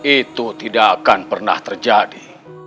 itu tidak akan pernah terjadi